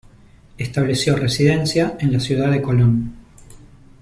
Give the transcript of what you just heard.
Estableció residencia en la ciudad de Colón.